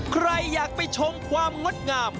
ใครอยากไปชมความงดงาม